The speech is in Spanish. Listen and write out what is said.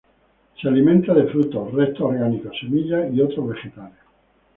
Se alimenta de frutos, restos orgánicos, semillas, y otros vegetales.